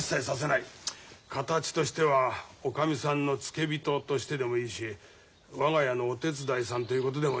形としてはおかみさんの付け人としてでもいいし我が家のお手伝いさんということでもいい。